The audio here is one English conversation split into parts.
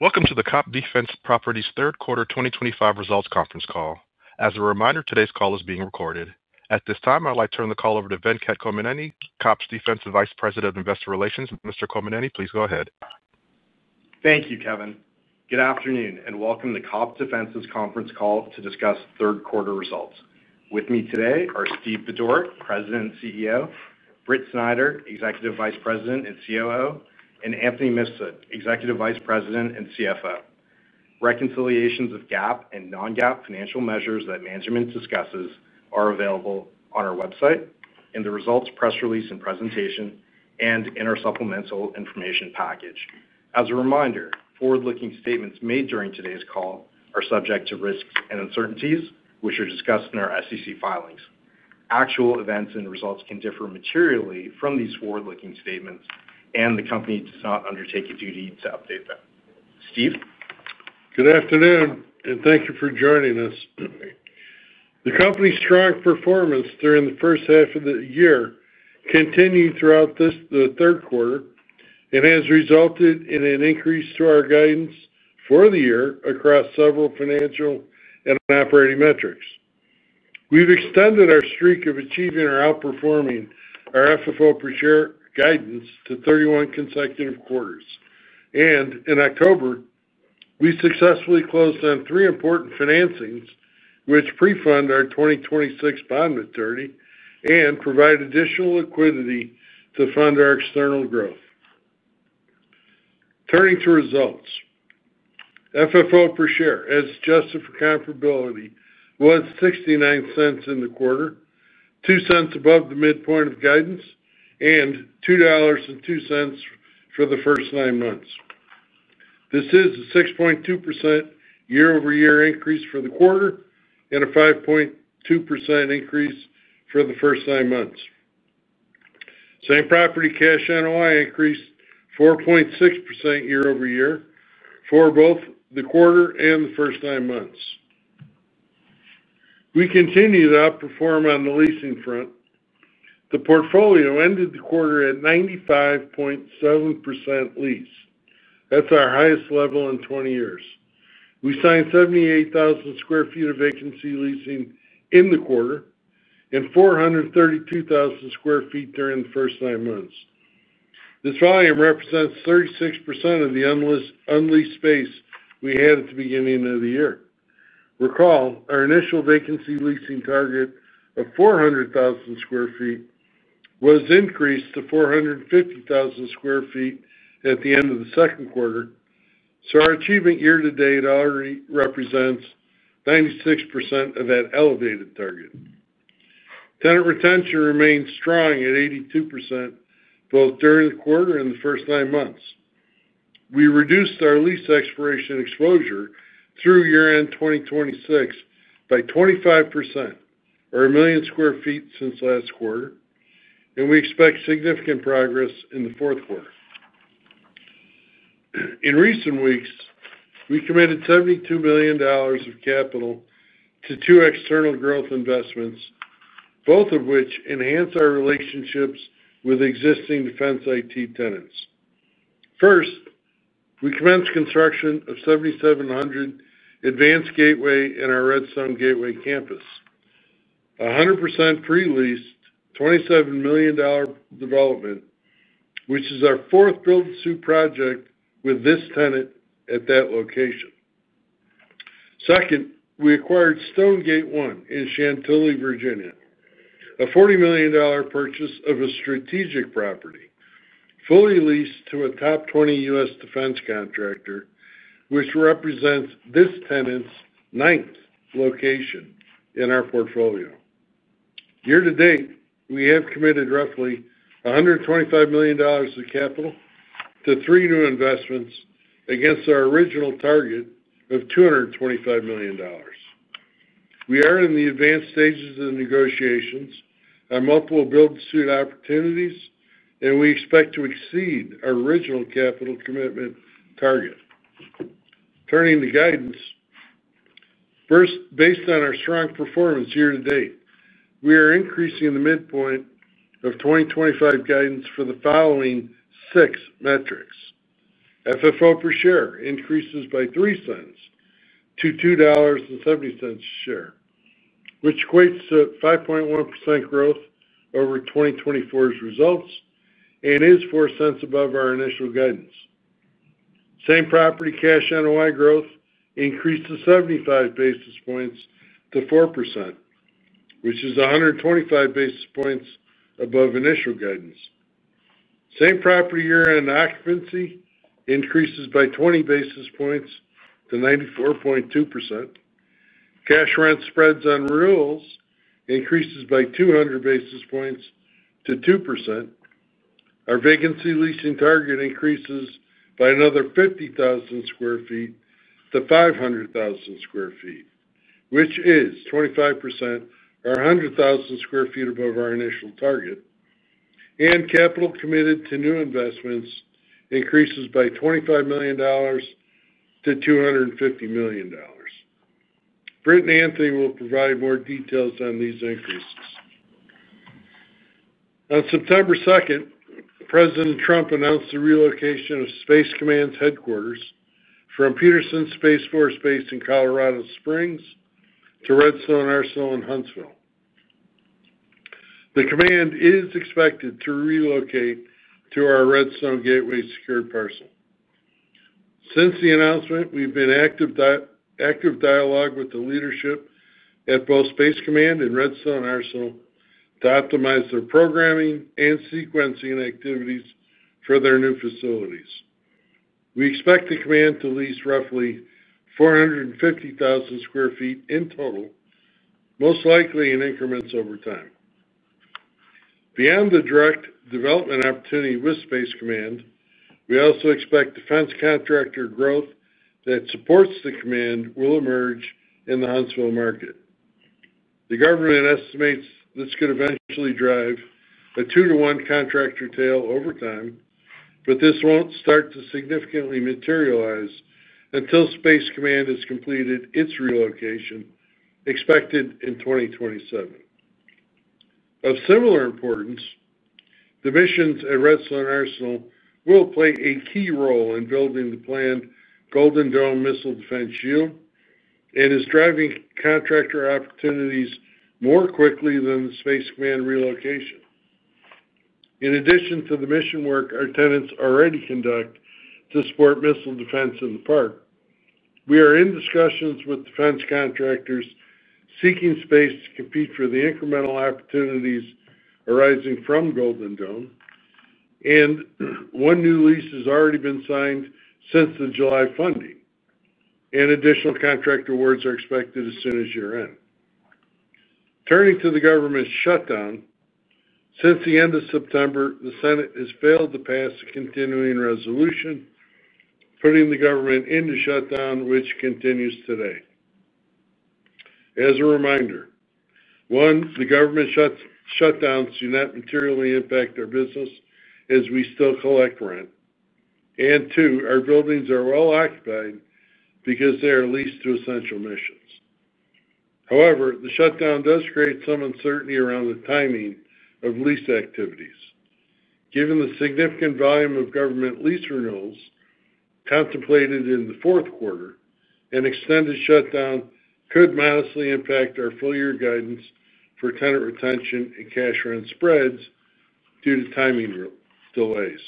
Welcome to the COPT Defense Properties' Third Quarter 2025 Results Conference Call. As a reminder, today's call is being recorded. At this time, I'd like to turn the call over to Venkat Kommineni, COPT Defense Vice President of Investor Relations. Mr. Kommineni, please go ahead. Thank you, Kevin. Good afternoon, and welcome to COPT Defense's conference call to discuss third quarter results. With me today are Steve Budorick, President and CEO, Britt Snider, Executive Vice President and COO, and Anthony Mifsud, Executive Vice President and CFO. Reconciliations of GAAP and non-GAAP financial measures that management discusses are available on our website, in the results press release and presentation, and in our supplemental information package. As a reminder, forward-looking statements made during today's call are subject to risks and uncertainties, which are discussed in our SEC filings. Actual events and results can differ materially from these forward-looking statements, and the company does not undertake a duty to update them. Steve? Good afternoon, and thank you for joining us. The company's strong performance during the first half of the year continued throughout the third quarter and has resulted in an increase to our guidance for the year across several financial and operating metrics. We've extended our streak of achieving or outperforming our FFO per share guidance to 31 consecutive quarters. In October, we successfully closed on three important financings, which pre-fund our 2026 bond maturity and provide additional liquidity to fund our external growth. Turning to results, FFO per share, as adjusted for comparability, was $0.69 in the quarter, $0.02 above the midpoint of guidance, and $2.02 for the first nine months. This is a 6.2% year-over-year increase for the quarter and a 5.2% increase for the first nine months. Same Property cash NOI increased 4.6% year-over-year for both the quarter and the first nine months. We continue to outperform on the leasing front. The portfolio ended the quarter at 95.7% leased. That's our highest level in 20 years. We signed 78,000 square feet of vacancy leasing in the quarter and 432,000 square feet during the first nine months. This volume represents 36% of the unleased space we had at the beginning of the year. Recall, our initial vacancy leasing target of 400,000 square feet was increased to 450,000 square feet at the end of the second quarter, so our achievement year-to-date already represents 96% of that elevated target. Tenant Retention remained strong at 82% both during the quarter and the first nine months. We reduced our lease expiration exposure through year-end 2026 by 25%, or a million square feet since last quarter, and we expect significant progress in the fourth quarter. In recent weeks, we committed $72 million of capital to two external growth investments, both of which enhance our relationships with existing defense IT tenants. First, we commenced construction of 7700 Advanced Gateway in our Redstone Gateway campus, a 100% pre-leased, $27 million development, which is our fourth build-to-suit project with this tenant at that location. Second, we acquired Stonegate I in Chantilly, Virginia, a $40 million purchase of a strategic property fully leased to a top 20 U.S. defense contractor, which represents this tenant's ninth location in our portfolio. Year-to-date, we have committed roughly $125 million of capital to three new investments against our original target of $225 million. We are in the advanced stages of the negotiations on multiple build-to-suit opportunities, and we expect to exceed our original capital commitment target. Turning to guidance. First, based on our strong performance year-to-date, we are increasing the midpoint of 2025 guidance for the following six metrics. FFO per share increases by $0.03 to $2.70 a share, which equates to 5.1% growth over 2024's results and is $0.04 above our initial guidance. Same Property cash NOI growth increased to 75 basis points to 4%, which is 125 basis points above initial guidance. Same Property year-end occupancy increases by 20 basis points to 94.2%. Cash rent spreads on renewals increases by 200 basis points to 2%. Our Vacancy Leasing target increases by another 50,000 square feet to 500,000 square feet, which is 25% or 100,000 square feet above our initial target. Capital Committed to New Investments increases by $25 million to $250 million. Britt and Anthony will provide more details on these increases. On September 2nd, President Trump announced the relocation of Space Command's headquarters from Peterson Space Force Base in Colorado Springs to Redstone Arsenal and Huntsville. The command is expected to relocate to our Redstone Gateway secured parcel. Since the announcement, we've been in active dialogue with the leadership at both Space Command and Redstone Arsenal to optimize their programming and sequencing activities for their new facilities. We expect the command to lease roughly 450,000 square feet in total, most likely in increments over time. Beyond the direct development opportunity with Space Command, we also expect defense contractor growth that supports the command will emerge in the Huntsville market. The government estimates this could eventually drive a two-to-one contractor tail over time, but this won't start to significantly materialize until Space Command has completed its relocation expected in 2027. Of similar importance, the missions at Redstone Arsenal will play a key role in building the planned Golden Dome missile defense shield and is driving contractor opportunities more quickly than the Space Command relocation. In addition to the mission work our tenants already conduct to support missile defense in the park, we are in discussions with defense contractors seeking space to compete for the incremental opportunities arising from Golden Dome. One new lease has already been signed since the July funding. Additional contract awards are expected as soon as year-end. Turning to the government shutdown. Since the end of September, the Senate has failed to pass a continuing resolution, putting the government into shutdown, which continues today. As a reminder, one, the government shutdowns do not materially impact our business as we still collect rent, and two, our buildings are well occupied because they are leased to essential missions. However, the shutdown does create some uncertainty around the timing of lease activities. Given the significant volume of government lease renewals contemplated in the fourth quarter, an extended shutdown could modestly impact our full-year guidance for tenant retention and cash rent spreads due to timing delays.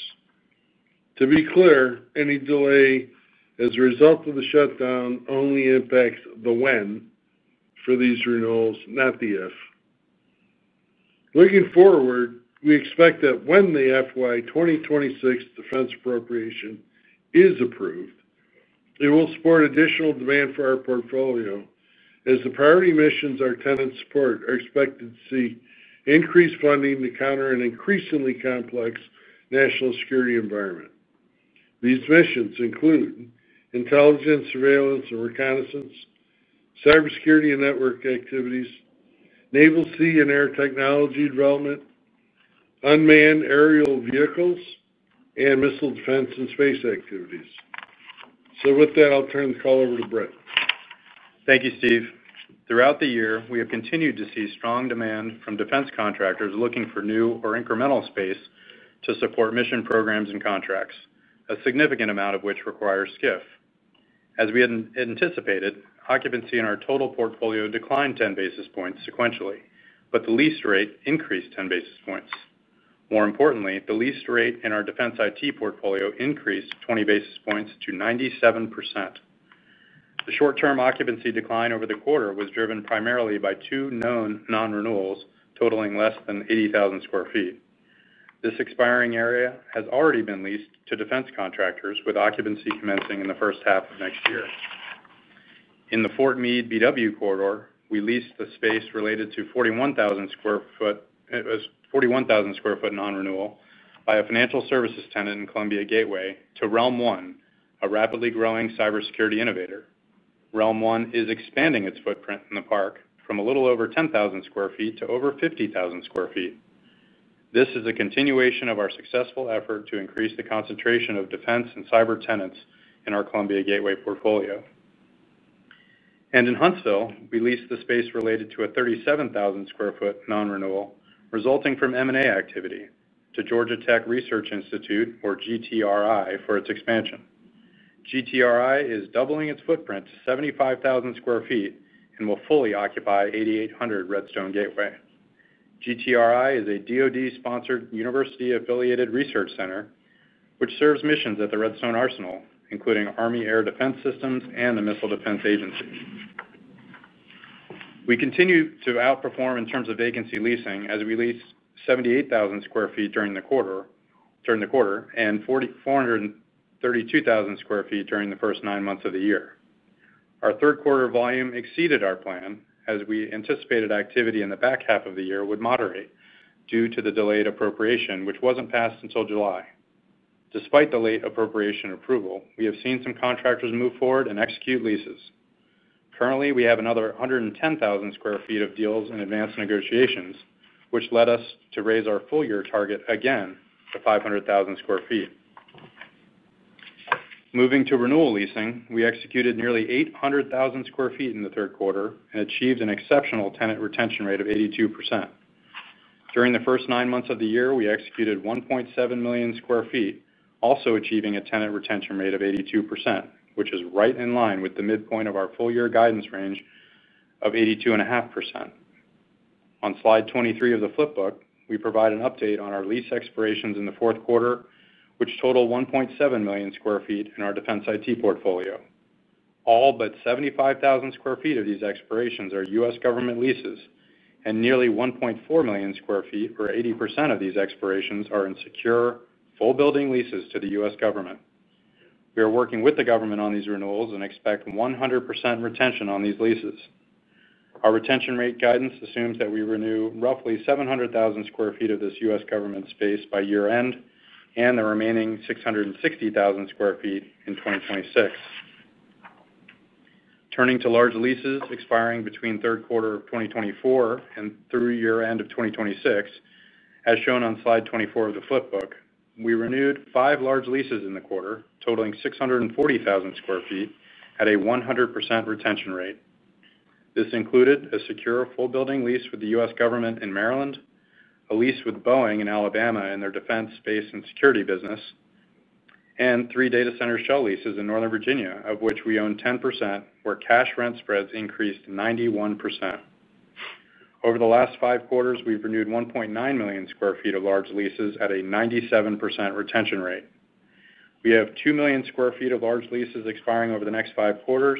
To be clear, any delay as a result of the shutdown only impacts the when for these renewals, not the if. Looking forward, we expect that when the FY 2026 defense appropriation is approved, it will support additional demand for our portfolio as the priority missions our tenants support are expected to see increased funding to counter an increasingly complex national security environment. These missions include intelligence, surveillance, and reconnaissance, cybersecurity and network activities, naval, sea, and air technology development, unmanned aerial vehicles, and missile defense and space activities. With that, I'll turn the call over to Britt. Thank you, Steve. Throughout the year, we have continued to see strong demand from defense contractors looking for new or incremental space to support mission programs and contracts, a significant amount of which requires SCIF. As we had anticipated, occupancy in our total portfolio declined 10 basis points sequentially, but the lease rate increased 10 basis points. More importantly, the lease rate in our defense IT portfolio increased 20 basis points to 97%. The short-term occupancy decline over the quarter was driven primarily by two known non-renewals totaling less than 80,000 square feet. This expiring area has already been leased to defense contractors, with occupancy commencing in the first half of next year. In the Fort Meade BW corridor, we leased the space related to a 41,000 square foot non-renewal by a financial services tenant in Columbia Gateway to RealmOne, a rapidly growing cybersecurity innovator. RealmOne is expanding its footprint in the park from a little over 10,000 square feet to over 50,000 square feet. This is a continuation of our successful effort to increase the concentration of defense and cyber tenants in our Columbia Gateway portfolio. In Huntsville, we leased the space related to a 37,000 square foot non-renewal resulting from M&A activity to Georgia Tech Research Institute, or GTRI, for its expansion. GTRI is doubling its footprint to 75,000 square feet and will fully occupy 8,800 Redstone Gateway. GTRI is a DOD-sponsored university-affiliated research center which serves missions at the Redstone Arsenal, including Army Air Defense Systems and the Missile Defense Agency. We continue to outperform in terms of vacancy leasing as we leased 78,000 square feet during the quarter and 432,000 square feet during the first nine months of the year. Our third quarter volume exceeded our plan as we anticipated activity in the back half of the year would moderate due to the delayed appropriation, which was not passed until July. Despite the late appropriation approval, we have seen some contractors move forward and execute leases. Currently, we have another 110,000 square feet of deals in advanced negotiations, which led us to raise our full-year target again to 500,000 square feet. Moving to renewal leasing, we executed nearly 800,000 square feet in the third quarter and achieved an exceptional tenant retention rate of 82%. During the first nine months of the year, we executed 1.7 million square feet, also achieving a tenant retention rate of 82%, which is right in line with the midpoint of our full-year guidance range of 82.5%. On slide 23 of the flip book, we provide an update on our lease expirations in the fourth quarter, which total 1.7 million square feet in our defense IT portfolio. All but 75,000 square feet of these expirations are U.S. government leases, and nearly 1.4 million square feet, or 80% of these expirations, are in secure full-building leases to the U.S. government. We are working with the government on these renewals and expect 100% retention on these leases. Our retention rate guidance assumes that we renew roughly 700,000 square feet of this U.S. government space by year-end and the remaining 660,000 square feet in 2026. Turning to large leases expiring between third quarter of 2024 and through year-end of 2026, as shown on slide 24 of the flip book, we renewed five large leases in the quarter totaling 640,000 square feet at a 100% retention rate. This included a secure full-building lease with the U.S. government in Maryland, a lease with Boeing in Alabama in their defense space and security business, and three data center shell leases in Northern Virginia, of which we own 10%, where cash rent spreads increased 91%. Over the last five quarters, we've renewed 1.9 million square feet of large leases at a 97% retention rate. We have 2 million square feet of large leases expiring over the next five quarters,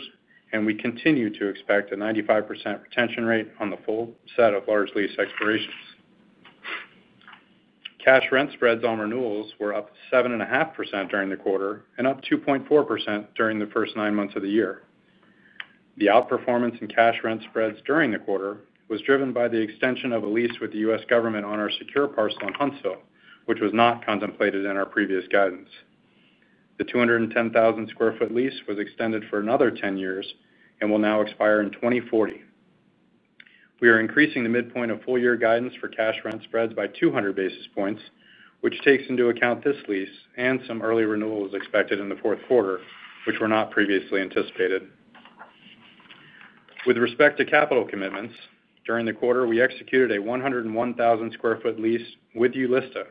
and we continue to expect a 95% retention rate on the full set of large lease expirations. Cash rent spreads on renewals were up 7.5% during the quarter and up 2.4% during the first nine months of the year. The outperformance in cash rent spreads during the quarter was driven by the extension of a lease with the U.S. government on our secure parcel in Huntsville, which was not contemplated in our previous guidance. The 210,000 square foot lease was extended for another 10 years and will now expire in 2040. We are increasing the midpoint of full-year guidance for cash rent spreads by 200 basis points, which takes into account this lease and some early renewals expected in the fourth quarter, which were not previously anticipated. With respect to capital commitments, during the quarter, we executed a 101,000 square foot lease with Yulista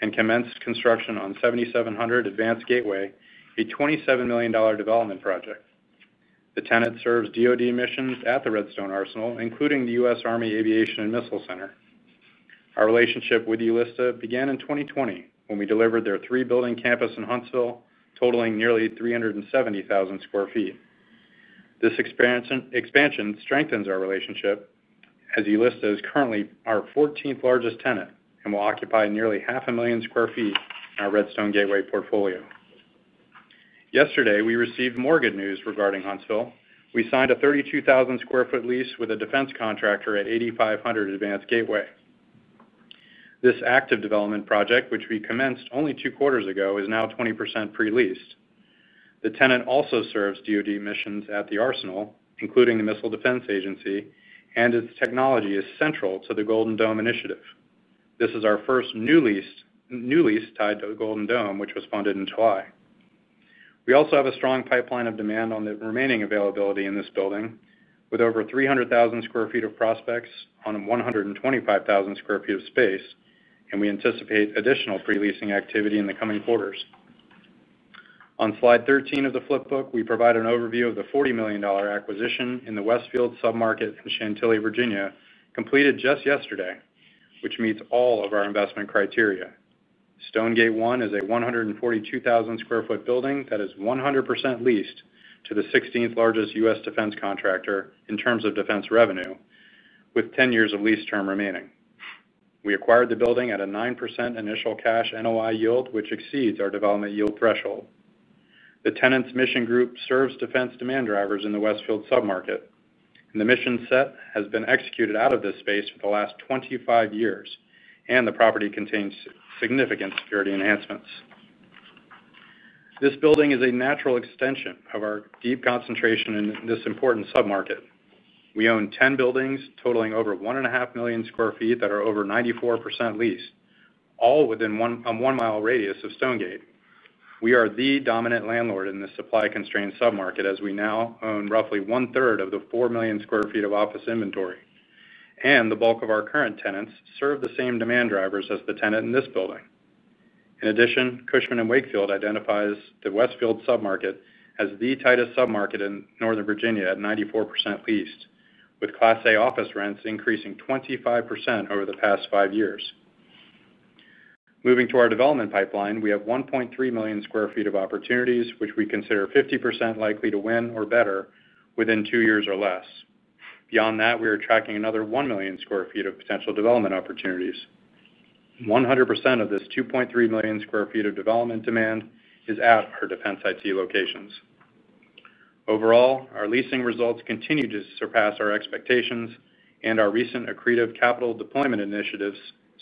and commenced construction on 7700 Advanced Gateway, a $27 million development project. The tenant serves DOD missions at the Redstone Arsenal, including the U.S. Army Aviation and Missile Center. Our relationship with Yulista began in 2020 when we delivered their three-building campus in Huntsville, totaling nearly 370,000 square feet. This expansion strengthens our relationship as Yulista is currently our 14th largest tenant and will occupy nearly half a million square feet in our Redstone Gateway portfolio. Yesterday, we received more good news regarding Huntsville. We signed a 32,000 square foot lease with a defense contractor at 7700 Advanced Gateway. This active development project, which we commenced only two quarters ago, is now 20% pre-leased. The tenant also serves DOD missions at the Arsenal, including the Missile Defense Agency, and its technology is central to the Golden Dome missile defense initiative. This is our first new lease tied to the Golden Dome, which was funded in July. We also have a strong pipeline of demand on the remaining availability in this building, with over 300,000 square feet of prospects on 125,000 square feet of space, and we anticipate additional pre-leasing activity in the coming quarters. On slide 13 of the flip book, we provide an overview of the $40 million acquisition in the Westfield submarket in Chantilly, Virginia, completed just yesterday, which meets all of our investment criteria. Stonegate I is a 142,000 square foot building that is 100% leased to the 16th largest U.S. defense contractor in terms of defense revenue, with 10 years of lease term remaining. We acquired the building at a 9% initial cash NOI yield, which exceeds our development yield threshold. The tenant's mission group serves defense demand drivers in the Westfield submarket, and the mission set has been executed out of this space for the last 25 years, and the property contains significant security enhancements. This building is a natural extension of our deep concentration in this important submarket. We own 10 buildings totaling over 1.5 million square feet that are over 94% leased, all within a one-mile radius of Stonegate. We are the dominant landlord in the supply-constrained submarket, as we now own roughly 1/3 of the 4 million square feet of office inventory, and the bulk of our current tenants serve the same demand drivers as the tenant in this building. In addition, Cushman & Wakefield identifies the Westfield submarket as the tightest submarket in Northern Virginia at 94% leased, with Class A office rents increasing 25% over the past five years. Moving to our development pipeline, we have 1.3 million square feet of opportunities, which we consider 50% likely to win or better within two years or less. Beyond that, we are tracking another 1 million square feet of potential development opportunities. 100% of this 2.3 million square feet of development demand is at our defense IT locations. Overall, our leasing results continue to surpass our expectations, and our recent accretive capital deployment initiatives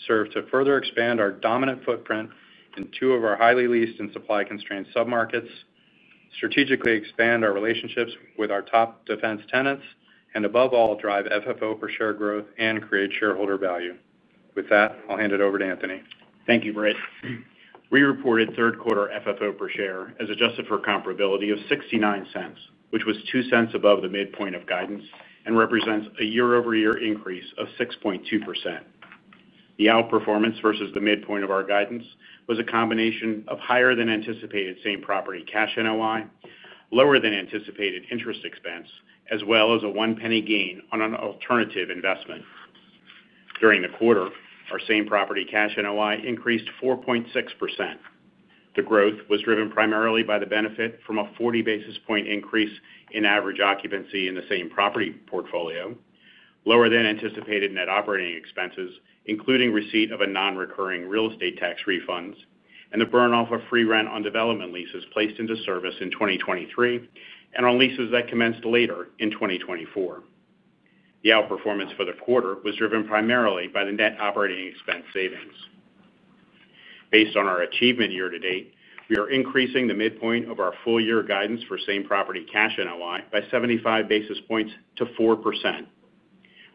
serve to further expand our dominant footprint in two of our highly leased and supply-constrained submarkets, strategically expand our relationships with our top defense tenants, and above all, drive FFO per share growth and create shareholder value. With that, I'll hand it over to Anthony. Thank you, Britt. We reported third quarter FFO per share as adjusted for comparability of $0.69, which was $0.02 above the midpoint of guidance and represents a year-over-year increase of 6.2%. The outperformance versus the midpoint of our guidance was a combination of higher-than-anticipated Same Property cash NOI, lower-than-anticipated interest expense, as well as a one-penny gain on an alternative investment. During the quarter, our Same Property cash NOI increased 4.6%. The growth was driven primarily by the benefit from a 40 basis point increase in average occupancy in the Same Property portfolio, lower-than-anticipated net operating expenses, including receipt of non-recurring real estate tax refunds, and the burn-off of free rent on development leases placed into service in 2023 and on leases that commenced later in 2024. The outperformance for the quarter was driven primarily by the net operating expense savings. Based on our achievement year to date, we are increasing the midpoint of our full-year guidance for Same Property cash NOI by 75 basis points to 4%.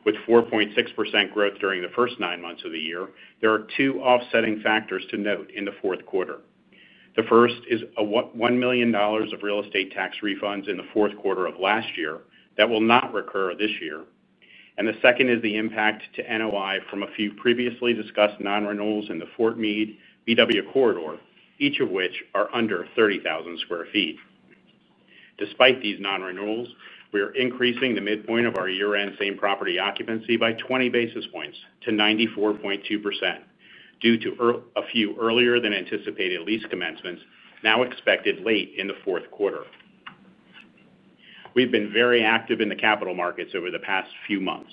With 4.6% growth during the first nine months of the year, there are two offsetting factors to note in the fourth quarter. The first is $1 million of real estate tax refunds in the fourth quarter of last year that will not recur this year, and the second is the impact to NOI from a few previously discussed non-renewals in the Fort Meade BW Corridor, each of which are under 30,000 square feet. Despite these non-renewals, we are increasing the midpoint of our year-end Same Property occupancy by 20 basis points to 94.2% due to a few earlier-than-anticipated lease commencements now expected late in the fourth quarter. We've been very active in the capital markets over the past few months.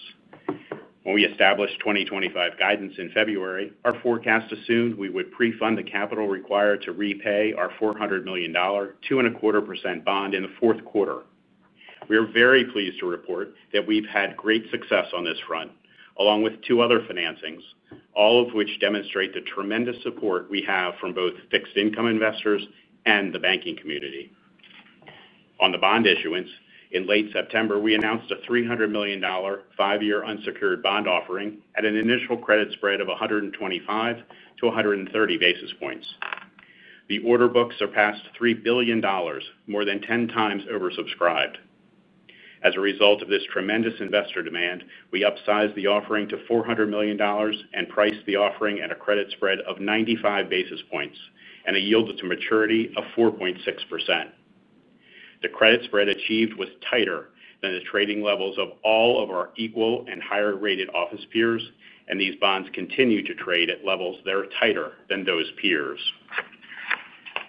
When we established 2025 guidance in February, our forecast assumed we would pre-fund the capital required to repay our $400 million 2.25% bond in the fourth quarter. We are very pleased to report that we've had great success on this front, along with two other financings, all of which demonstrate the tremendous support we have from both fixed-income investors and the banking community. On the bond issuance, in late September, we announced a $300 million five-year unsecured bond offering at an initial credit spread of 125 to 130 basis points. The order book surpassed $3 billion, more than 10x oversubscribed. As a result of this tremendous investor demand, we upsized the offering to $400 million and priced the offering at a credit spread of 95 basis points and a yield to maturity of 4.6%. The credit spread achieved was tighter than the trading levels of all of our equal and higher-rated office peers, and these bonds continue to trade at levels that are tighter than those peers.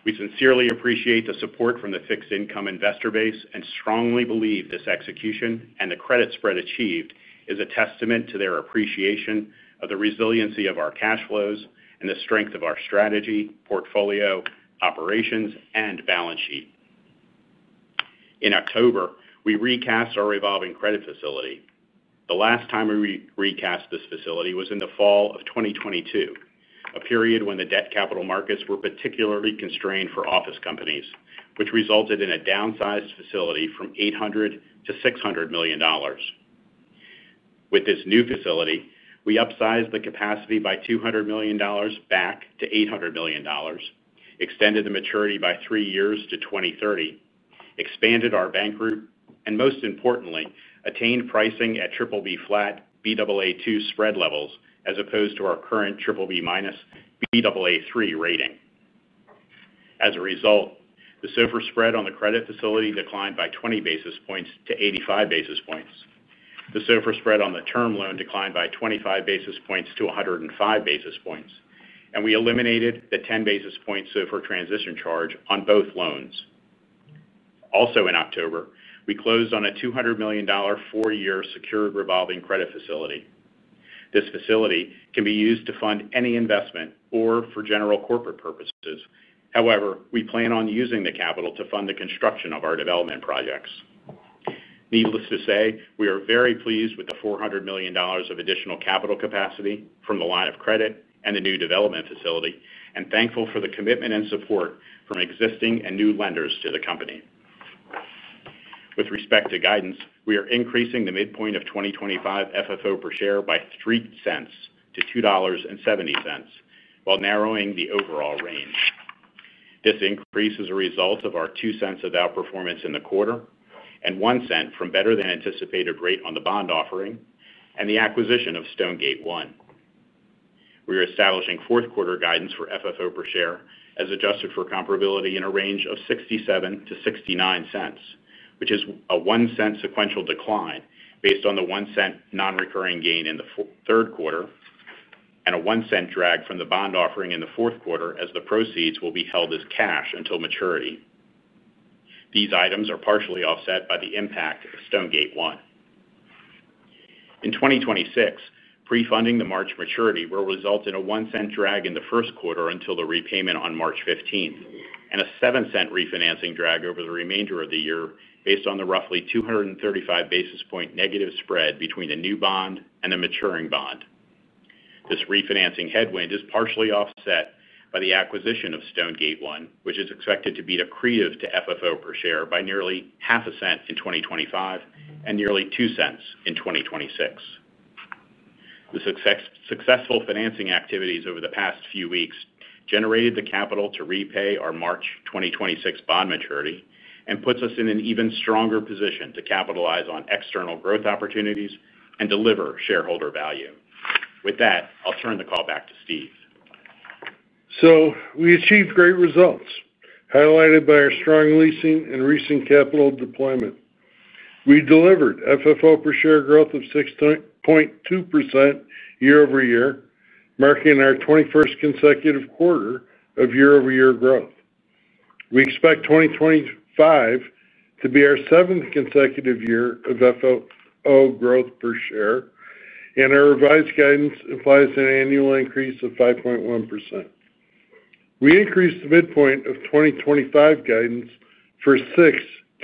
We sincerely appreciate the support from the fixed-income investor base and strongly believe this execution and the credit spread achieved is a testament to their appreciation of the resiliency of our cash flows and the strength of our strategy, portfolio, operations, and balance sheet. In October, we recast our revolving credit facility. The last time we recast this facility was in the fall of 2022, a period when the debt capital markets were particularly constrained for office companies, which resulted in a downsized facility from $800 million to $600 million. With this new facility, we upsized the capacity by $200 million back to $800 million, extended the maturity by three years to 2030, expanded our bank group, and most importantly, attained pricing at BBB flat BAA2 spread levels as opposed to our current BBB minus BAA3 rating. As a result, the SOFR spread on the credit facility declined by 20 basis points to 85 basis points. The SOFR spread on the term loan declined by 25 basis points to 105 basis points, and we eliminated the 10 basis point SOFR transition charge on both loans. Also, in October, we closed on a $200 million four-year secured revolving credit facility. This facility can be used to fund any investment or for general corporate purposes. However, we plan on using the capital to fund the construction of our development projects. Needless to say, we are very pleased with the $400 million of additional capital capacity from the line of credit and the new development facility and thankful for the commitment and support from existing and new lenders to the company. With respect to guidance, we are increasing the midpoint of 2025 FFO per share by $0.03 to $2.70 while narrowing the overall range. This increase is a result of our $0.02 of outperformance in the quarter and $0.01 from better-than-anticipated rate on the bond offering and the acquisition of Stonegate I. We are establishing fourth quarter guidance for FFO per share as adjusted for comparability in a range of $0.67 to $0.69, which is a $0.01 sequential decline based on the $0.01 non-recurring gain in the third quarter and a $0.01 drag from the bond offering in the fourth quarter as the proceeds will be held as cash until maturity. These items are partially offset by the impact of Stonegate I. In 2026, pre-funding the March maturity will result in a $0.01 drag in the first quarter until the repayment on March 15 and a $0.07 refinancing drag over the remainder of the year based on the roughly 235 basis point negative spread between the new bond and the maturing bond. This refinancing headwind is partially offset by the acquisition of Stonegate I, which is expected to be accretive to FFO per share by nearly $0.005 in 2025 and nearly $0.02 in 2026. The successful financing activities over the past few weeks generated the capital to repay our March 2026 bond maturity and puts us in an even stronger position to capitalize on external growth opportunities and deliver shareholder value. With that, I'll turn the call back to Steve. We achieved great results, highlighted by our strong leasing and recent capital deployment. We delivered FFO per share growth of 6.2% year over year, marking our 21st consecutive quarter of year-over-year growth. We expect 2025 to be our seventh consecutive year of FFO growth per share, and our revised guidance implies an annual increase of 5.1%. We increased the midpoint of 2025 guidance for six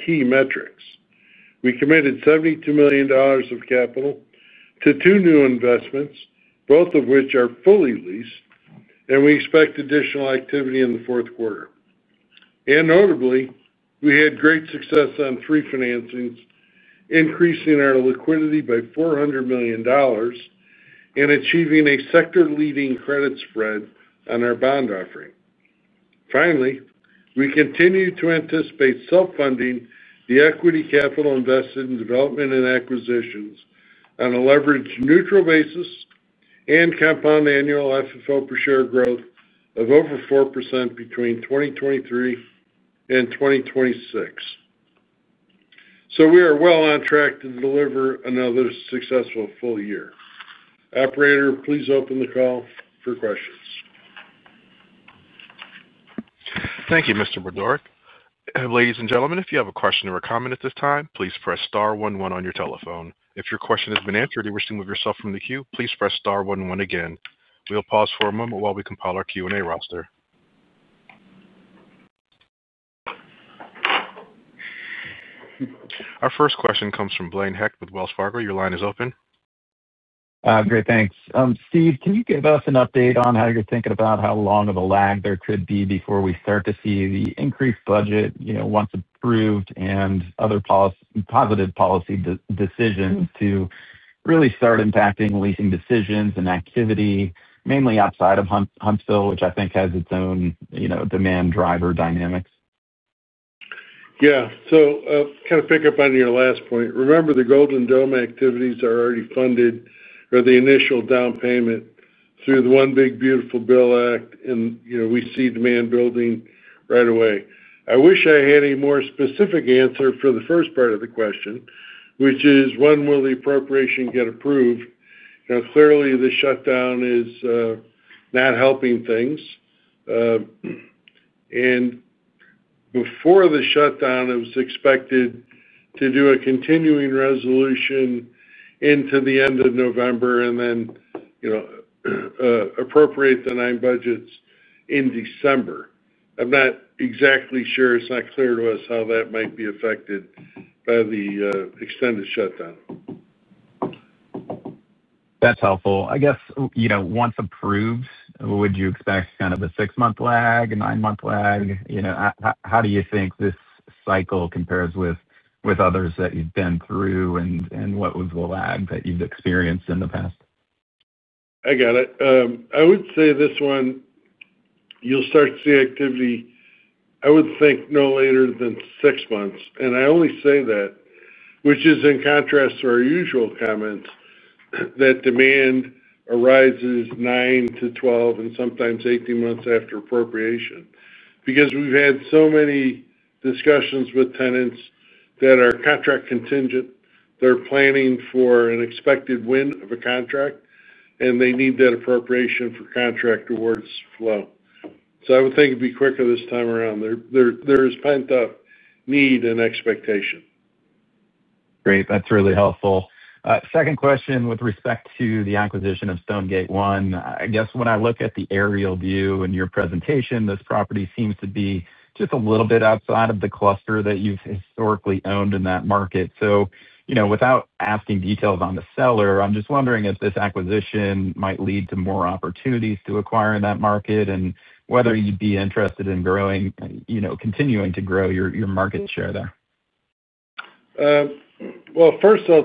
key metrics. We committed $72 million of capital to two new investments, both of which are fully leased, and we expect additional activity in the fourth quarter. Notably, we had great success on three financings, increasing our liquidity by $400 million and achieving a sector-leading credit spread on our bond offering. Finally, we continue to anticipate self-funding the equity capital invested in development and acquisitions on a leverage-neutral basis and compound annual FFO per share growth of over 4% between 2023 and 2026. We are well on track to deliver another successful full year. Operator, please open the call for questions. Thank you, Mr. Budorick. Ladies and gentlemen, if you have a question or a comment at this time, please press star 11 on your telephone. If your question has been answered or you wish to move yourself from the queue, please press star 11 again. We'll pause for a moment while we compile our Q&A roster. Our first question comes from Blaine Heck with Wells Fargo. Your line is open. Great. Thanks. Steve, can you give us an update on how you're thinking about how long of a lag there could be before we start to see the increased budget once approved and other positive policy decisions to really start impacting leasing decisions and activity, mainly outside of Huntsville, which I think has its own demand driver dynamics? Yeah. To kind of pick up on your last point, remember, the Golden Dome activities are already funded, or the initial down payment, through the One Big Beautiful Bill Act, and we see demand building right away. I wish I had a more specific answer for the first part of the question, which is, when will the appropriation get approved? Clearly, the shutdown is not helping things. Before the shutdown, it was expected to do a continuing resolution into the end of November and then appropriate the nine budgets in December. I'm not exactly sure. It's not clear to us how that might be affected by the extended shutdown. That's helpful. I guess, once approved, would you expect kind of a six-month lag, a nine-month lag? How do you think this cycle compares with others that you've been through, and what was the lag that you've experienced in the past? I got it. I would say this one, you'll start to see activity, I would think, no later than six months. I only say that, which is in contrast to our usual comments, that demand arises 9 to 12 and sometimes 18 months after appropriation because we've had so many discussions with tenants that are contract contingent. They're planning for an expected win of a contract, and they need that appropriation for contract awards flow. I would think it'd be quicker this time around. There is pent-up need and expectation. Great. That's really helpful. Second question with respect to the acquisition of Stonegate I. I guess when I look at the aerial view in your presentation, this property seems to be just a little bit outside of the cluster that you've historically owned in that market. Without asking details on the seller, I'm just wondering if this acquisition might lead to more opportunities to acquire in that market and whether you'd be interested in continuing to grow your market share there. I'll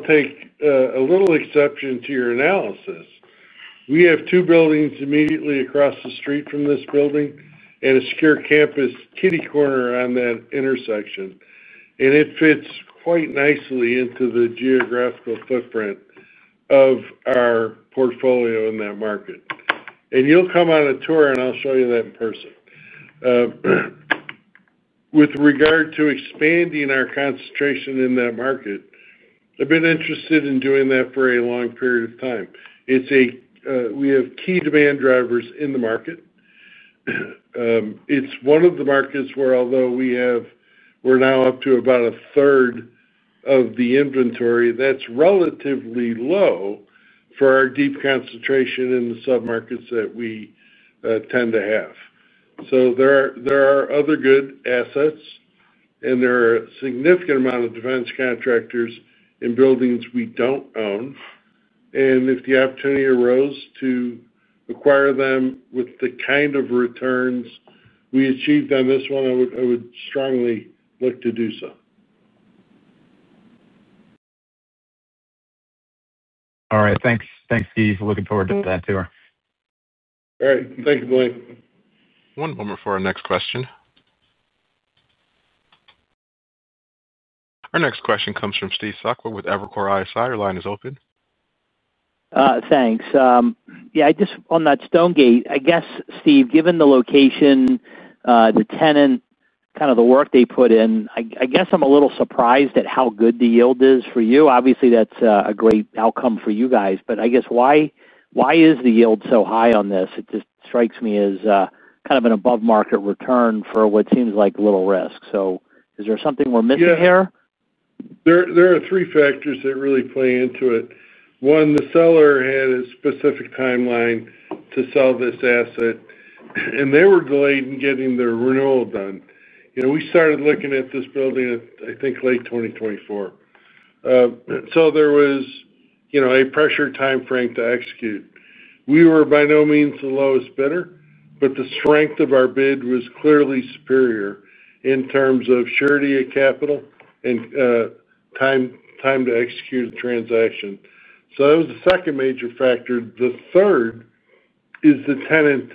take a little exception to your analysis. We have two buildings immediately across the street from this building and a secure campus kitty corner on that intersection. It fits quite nicely into the geographical footprint of our portfolio in that market. You'll come on a tour, and I'll show you that in person. With regard to expanding our concentration in that market, I've been interested in doing that for a long period of time. We have key demand drivers in the market. It's one of the markets where, although we're now up to about a third of the inventory, that's relatively low for our deep concentration in the sub-markets that we tend to have. There are other good assets, and there are a significant amount of defense contractors in buildings we don't own. If the opportunity arose to acquire them with the kind of returns we achieved on this one, I would strongly look to do so. All right. Thanks, Steve. Looking forward to that tour. All right. Thank you, Blaine. One moment for our next question. Our next question comes from Steve Sakwa with Evercore ISI. Your line is open. Thanks. Yeah. On that Stonegate, I guess, Steve, given the location, the tenant, kind of the work they put in, I guess I'm a little surprised at how good the yield is for you. Obviously, that's a great outcome for you guys. I guess, why is the yield so high on this? It just strikes me as kind of an above-market return for what seems like little risk. Is there something we're missing here? Yeah. There are three factors that really play into it. One, the seller had a specific timeline to sell this asset, and they were delayed in getting their renewal done. We started looking at this building, I think, late 2024, so there was a pressure timeframe to execute. We were by no means the lowest bidder, but the strength of our bid was clearly superior in terms of surety of capital and time to execute the transaction. That was the second major factor. The third is the tenant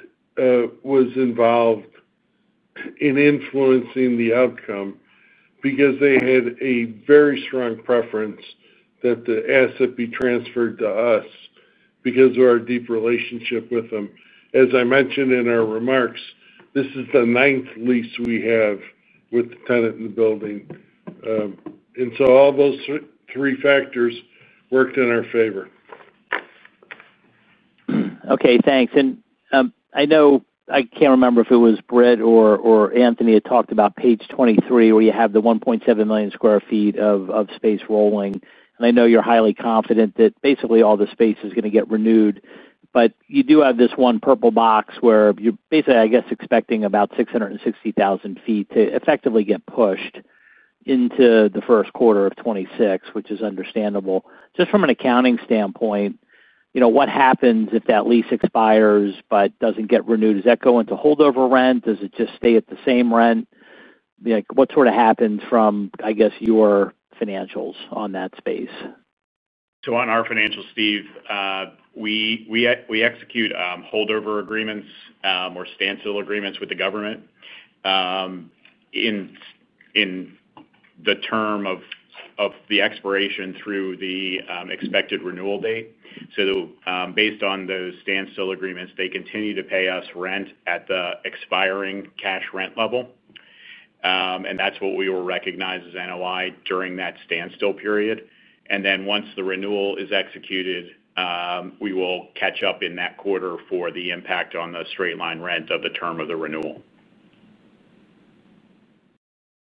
was involved in influencing the outcome because they had a very strong preference that the asset be transferred to us because of our deep relationship with them. As I mentioned in our remarks, this is the ninth lease we have with the tenant in the building, and all those three factors worked in our favor. Okay. Thanks. I can't remember if it was Britt or Anthony that talked about page 23 where you have the 1.7 million square feet of space rolling. I know you're highly confident that basically all the space is going to get renewed. You do have this one purple box where you're basically, I guess, expecting about 660,000 feet to effectively get pushed into the first quarter of 2026, which is understandable just from an accounting standpoint. What happens if that lease expires but doesn't get renewed? Does that go into holdover rent? Does it just stay at the same rent? What sort of happens from, I guess, your financials on that space? On our financials, Steve, we execute holdover agreements or standstill agreements with the government in the term of the expiration through the expected renewal date. Based on those standstill agreements, they continue to pay us rent at the expiring cash rent level. That's what we will recognize as NOI during that standstill period. Once the renewal is executed, we will catch up in that quarter for the impact on the straight-line rent of the term of the renewal.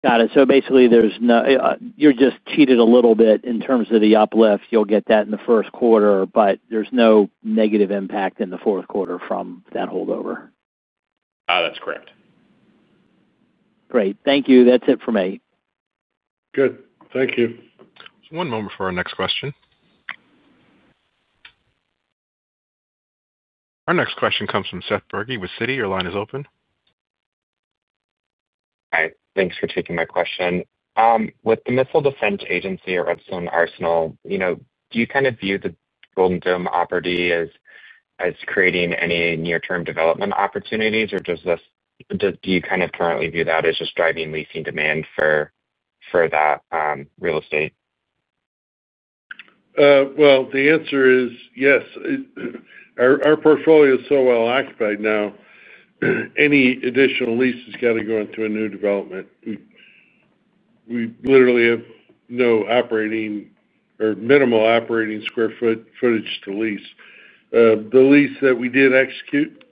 Got it. Basically, you just cheated a little bit in terms of the uplift. You'll get that in the first quarter, but there's no negative impact in the fourth quarter from that holdover. That's correct. Great. Thank you. That's it for me. Good, thank you. One moment for our next question. Our next question comes from Seth Berkey with Citi. Your line is open. Hi. Thanks for taking my question. With the Missile Defense Agency or Redstone Arsenal, do you kind of view the [long-term properties] as creating any near-term development opportunities, or do you kind of currently view that as just driving leasing demand for that real estate? Yes, our portfolio is so well occupied now. Any additional lease has got to go into a new development. We literally have no operating or minimal operating square footage to lease. The lease that we did execute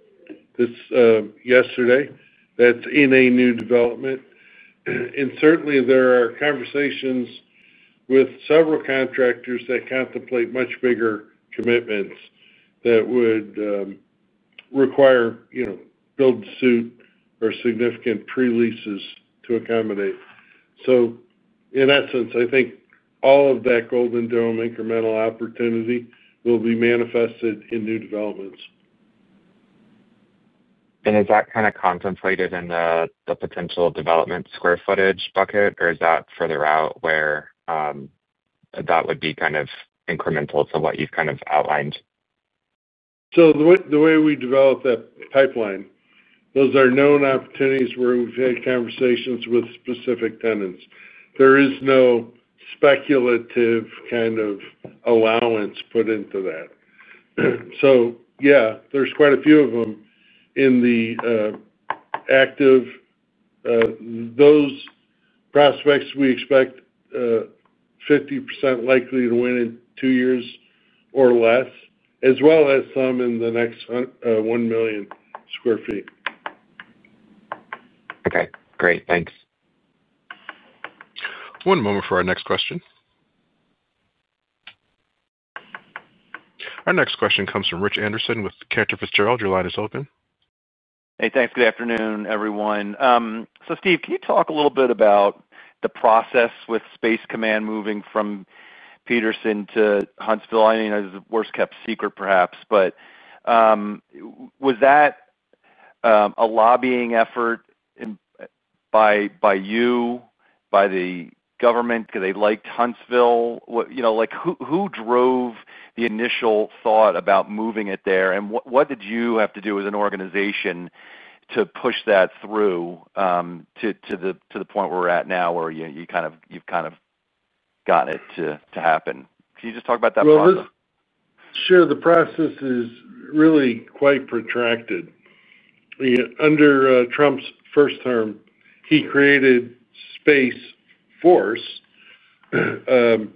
yesterday, that's in a new development. Certainly, there are conversations with several contractors that contemplate much bigger commitments that would require build-to-suit or significant pre-leases to accommodate. In essence, I think all of that Golden Dome incremental opportunity will be manifested in new developments. Is that kind of contemplated in the potential development square footage bucket, or is that further out where that would be kind of incremental to what you've kind of outlined? The way we develop that pipeline, those are known opportunities where we've had conversations with specific tenants. There is no speculative kind of allowance put into that. There are quite a few of them in the active. Those prospects we expect 50% likely to win in two years or less, as well as some in the next 1 million square feet. Okay. Great. Thanks. One moment for our next question. Our next question comes from Rich Anderson with Cantor Fitzgerald. Your line is open. Hey, thanks. Good afternoon, everyone. Steve, can you talk a little bit about the process with Space Command moving from Peterson to Huntsville? I mean, it's a worst-kept secret, perhaps. Was that a lobbying effort by you, by the government? Because they liked Huntsville. Who drove the initial thought about moving it there? What did you have to do as an organization to push that through to the point where we're at now where you've kind of gotten it to happen? Can you just talk about that process? The process is really quite protracted. Under Trump's first term, he created Space Force. That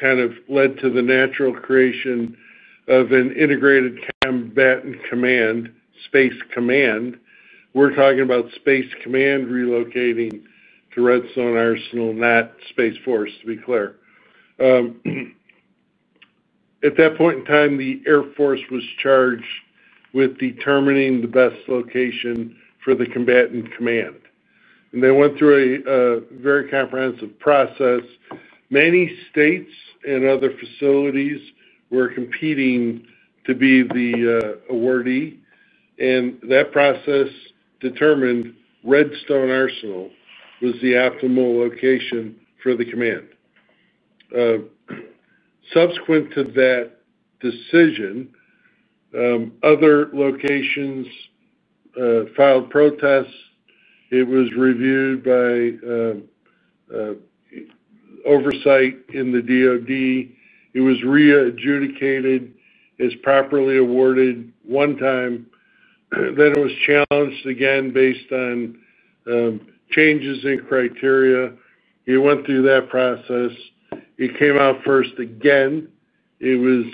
kind of led to the natural creation of an integrated combatant command, Space Command. We're talking about Space Command relocating to Redstone Arsenal, not Space Force, to be clear. At that point in time, the Air Force was charged with determining the best location for the combatant command, and they went through a very comprehensive process. Many states and other facilities were competing to be the awardee. That process determined Redstone Arsenal was the optimal location for the command. Subsequent to that decision, other locations filed protests. It was reviewed by oversight in the DOD. It was readjudicated as properly awarded one time. It was challenged again based on changes in criteria. They went through that process. It came out first again. It was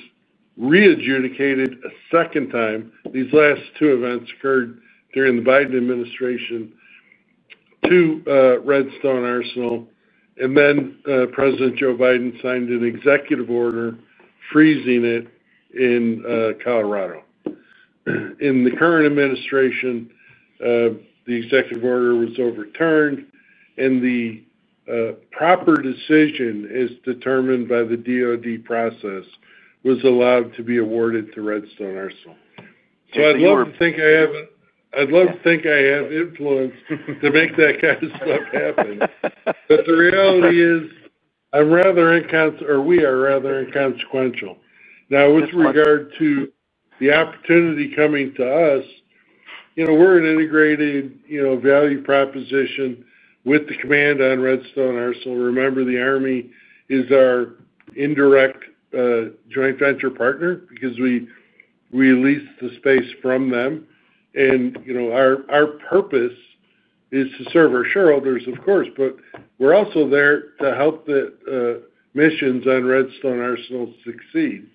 readjudicated a second time. These last two events occurred during the Biden administration. To Redstone Arsenal. Then President Joe Biden signed an executive order freezing it in Colorado. In the current administration, the executive order was overturned, and the proper decision as determined by the DOD process was allowed to be awarded to Redstone Arsenal. I'd love to think I have influence to make that kind of stuff happen, but the reality is I'm rather, or we are rather, inconsequential. Now, with regard to the opportunity coming to us, we're an integrated value proposition with the command on Redstone Arsenal. Remember, the Army is our indirect joint venture partner because we lease the space from them. Our purpose is to serve our shareholders, of course, but we're also there to help the missions on Redstone Arsenal succeed.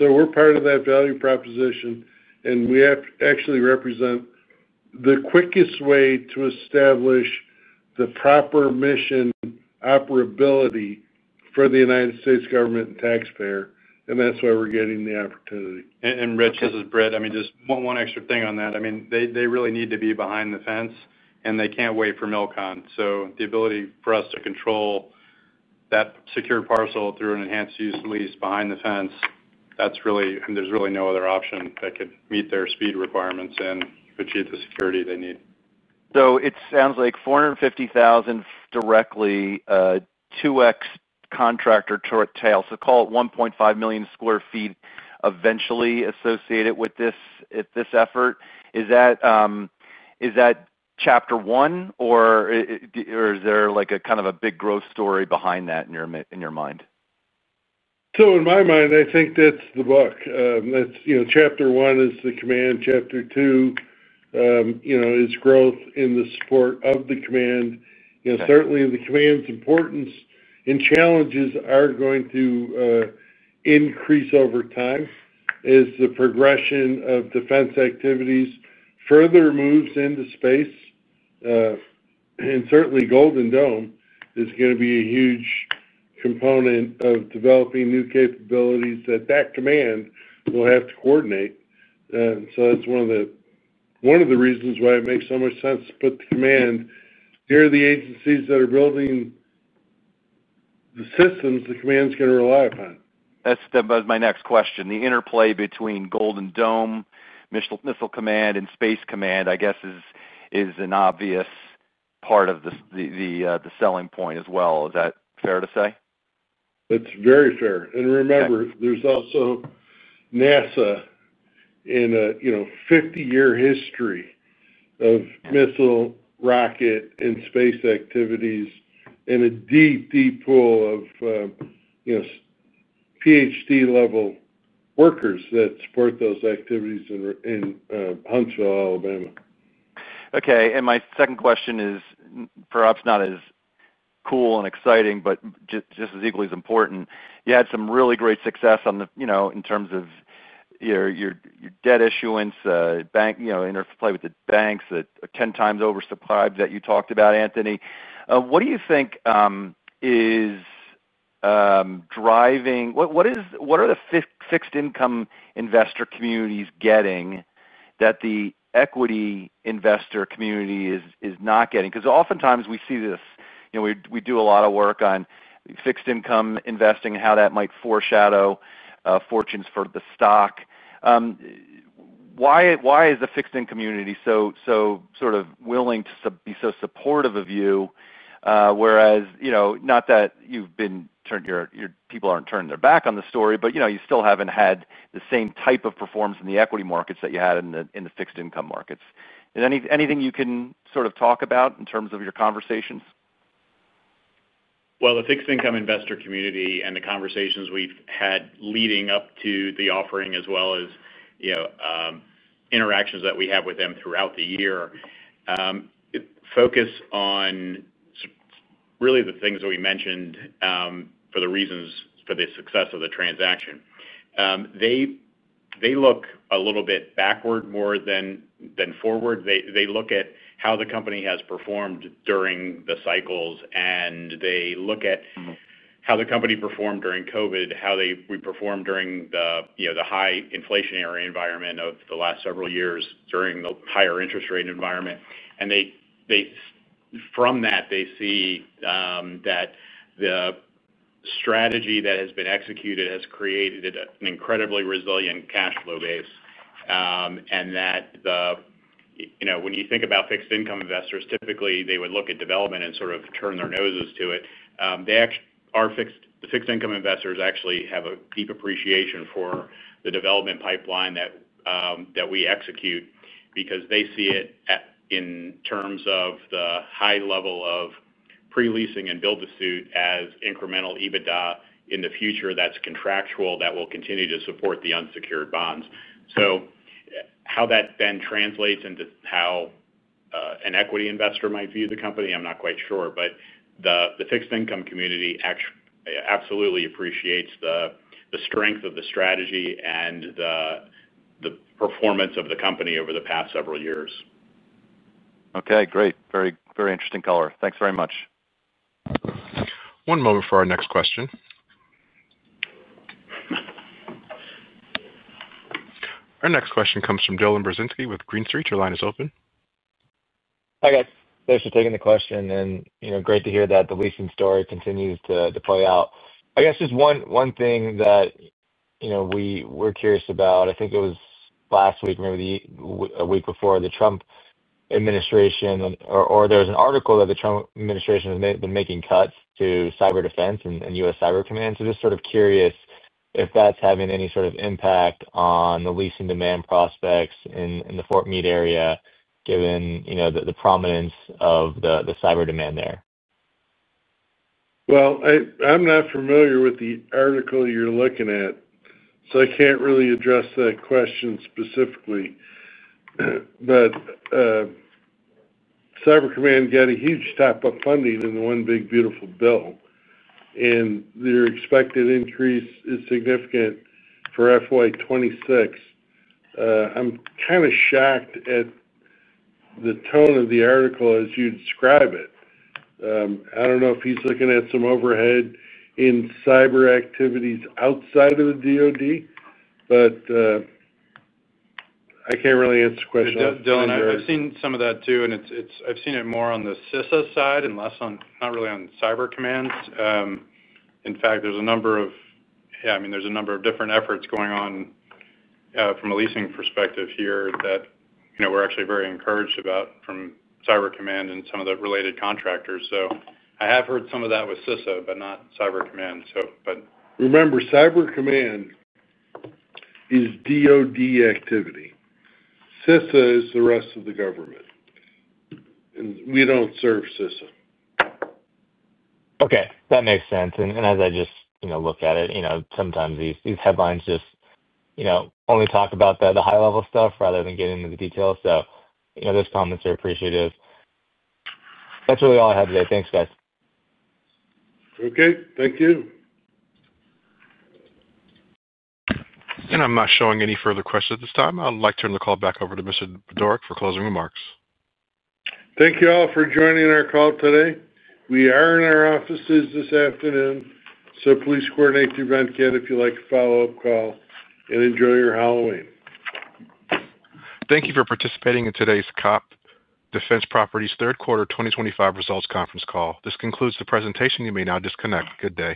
We're part of that value proposition, and we actually represent the quickest way to establish the proper mission operability for the U.S. government and taxpayer. That's why we're getting the opportunity. Rich, this is Britt. Just one extra thing on that. They really need to be behind the fence, and they can't wait for MILCON. The ability for us to control that secured parcel through an enhanced use lease behind the fence, there's really no other option that could meet their speed requirements and achieve the security they need. It sounds like 450,000 directly, 2x contractor tail, so call it $1.5 million square feet eventually associated with this effort. Is that chapter one, or is there a kind of a big growth story behind that in your mind? In my mind, I think that's the book. Chapter one is the command. Chapter two is growth in the support of the command. Certainly, the command's importance and challenges are going to increase over time as the progression of defense activities further moves into space. Certainly, Golden Dome is going to be a huge component of developing new capabilities that that command will have to coordinate. That's one of the reasons why it makes so much sense to put the command near the agencies that are building the systems the command's going to rely upon. That was my next question. The interplay between Golden Dome missile defense initiative, Mission Command, and Space Command, I guess, is an obvious part of the selling point as well. Is that fair to say? That's very fair. Remember, there's also NASA, with a 50-year history of missile, rocket, and space activities and a deep, deep pool of PhD-level workers that support those activities in Huntsville, Alabama. Okay. And my second question is perhaps not as cool and exciting, but just as equally as important. You had some really great success in terms of your debt issuance, interplay with the banks that are 10x oversupplied that you talked about, Anthony. What do you think is driving? What are the fixed-income investor communities getting that the equity investor community is not getting? Because oftentimes, we see this. We do a lot of work on fixed-income investing and how that might foreshadow fortunes for the stock. Why is the fixed-income community so sort of willing to be so supportive of you, whereas not that you've been people aren't turning their back on the story, but you still haven't had the same type of performance in the equity markets that you had in the fixed-income markets? Is there anything you can sort of talk about in terms of your conversations? The fixed-income investor community and the conversations we've had leading up to the offering as well as interactions that we have with them throughout the year focus on really the things that we mentioned for the reasons for the success of the transaction. They look a little bit backward more than forward. They look at how the company has performed during the cycles, and they look at how the company performed during COVID, how we performed during the high inflationary environment of the last several years during the higher interest rate environment. From that, they see that the strategy that has been executed has created an incredibly resilient cash flow base. When you think about fixed-income investors, typically, they would look at development and sort of turn their noses to it. The fixed-income investors actually have a deep appreciation for the development pipeline that we execute because they see it in terms of the high level of pre-leasing and build to suit as incremental EBITDA in the future that's contractual that will continue to support the unsecured bonds. How that then translates into how an equity investor might view the company, I'm not quite sure. The fixed-income community absolutely appreciates the strength of the strategy and the performance of the company over the past several years. Okay. Great. Very interesting color. Thanks very much. One moment for our next question. Our next question comes from Dylan Burzinski with Green Street. Your line is open. Hi, guys. Thanks for taking the question. Great to hear that the leasing story continues to play out. I guess just one thing that we're curious about. I think it was last week, maybe a week before, the Trump administration, or there was an article that the Trump administration has been making cuts to cyber defense and U.S. Cyber Command. Just sort of curious if that's having any sort of impact on the leasing demand prospects in the Fort Meade area given the prominence of the cyber demand there. I'm not familiar with the article you're looking at, so I can't really address that question specifically. Cyber Command got a huge stop of funding in the one big beautiful bill, and their expected increase is significant for FY 2026. I'm kind of shocked at the tone of the article as you describe it. I don't know if he's looking at some overhead in cyber activities outside of the DOD, but I can't really answer the question. Dylan, I've seen some of that too, and I've seen it more on the CISA side and not really on Cyber Command. In fact, there's a number of different efforts going on. From a leasing perspective here that we're actually very encouraged about from Cyber Command and some of the related contractors. I have heard some of that with CISA, but not Cyber Command. Remember, Cyber Command is DOD activity. CISA is the rest of the government, and we don't serve CISA. Okay, that makes sense. As I just look at it, sometimes these headlines only talk about the high-level stuff rather than get into the details. Those comments are appreciative. That's really all I have today. Thanks, guys. Okay. Thank you. I'm not showing any further questions at this time. I'd like to turn the call back over to Mr. Budorick for closing remarks. Thank you all for joining our call today. We are in our offices this afternoon, so please coordinate through Venkat if you'd like a follow-up call and enjoy your Halloween. Thank you for participating in today's COPT Defense Properties third quarter 2025 results conference call. This concludes the presentation. You may now disconnect. Good day.